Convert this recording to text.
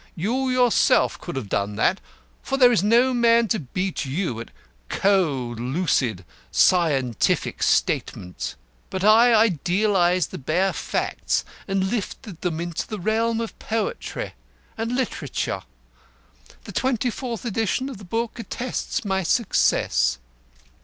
You yourself could have done that for there is no man to beat you at cold, lucid, scientific statement. But I idealised the bare facts and lifted them into the realm of poetry and literature. The twenty fourth edition of the book attests my success."